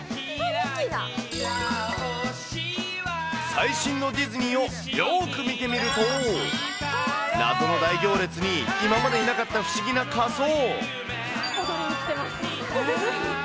最新のディズニーをよーく見てみると、謎の大行列に、今までいなかった不思議な仮装。